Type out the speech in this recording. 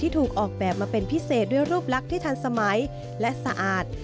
ถูกออกแบบมาเป็นพิเศษด้วยรูปลักษณ์ที่ทันสมัยและสะอาด